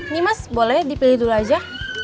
nih mas boleh dipilih dulu aja